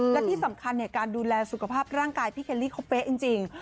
และที่สำคัญการดูแลสุขภาพร่างกายพี่เคลลี่เขาเป๊ะจริง